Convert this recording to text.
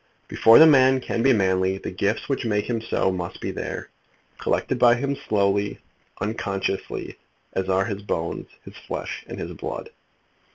Before the man can be manly, the gifts which make him so must be there, collected by him slowly, unconsciously, as are his bones, his flesh, and his blood.